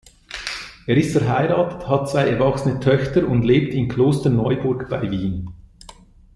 Er ist verheiratet, hat zwei erwachsene Töchter und lebt in Klosterneuburg bei Wien.